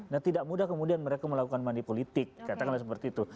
nah tidak mudah kemudian mereka melakukan manipolitik katakanlah seperti itu